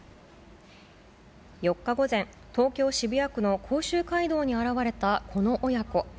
４日午前、東京・渋谷区の甲州街道に現れたこの親子。